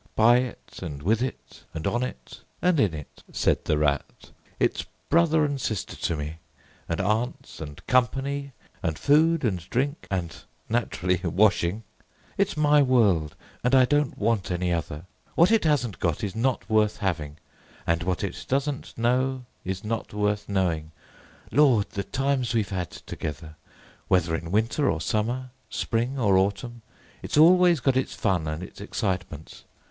"By it and with it and on it and in it," said the Rat. "It's brother and sister to me, and aunts, and company, and food and drink, and (naturally) washing. It's my world, and I don't want any other. What it hasn't got is not worth having, and what it doesn't know is not worth knowing. Lord! the times we've had together! Whether in winter or summer, spring or autumn, it's always got its fun and its excitements.